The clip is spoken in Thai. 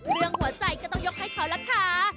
เรื่องหัวใจก็ต้องยกให้เขาล่ะค่ะ